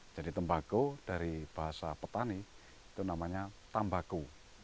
jadi tembakau dari bahasa petani itu namanya tambaku